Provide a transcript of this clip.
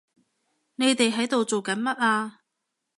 你哋喺度做緊乜啊？